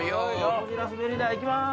ゴジラ滑り台いきます！